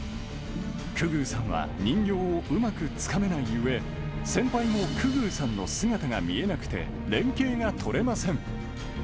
久々宇さんは人形をうまくつかめないうえ、先輩も久々宇さんの姿が見えなくて、連係が取れません。